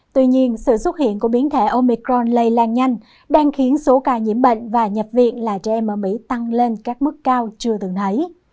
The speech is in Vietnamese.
tuy nhiên sự xuất hiện của biến thể omicron lây lan nhanh đang khiến số ca nhiễm bệnh và nhập viện là trẻ em ở mỹ tăng lên các mức cao chưa từng thấy